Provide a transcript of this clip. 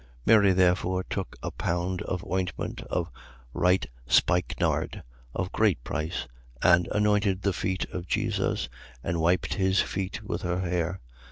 12:3. Mary therefore took a pound of ointment of right spikenard, of great price, and anointed the feet of Jesus and wiped his feet with her hair.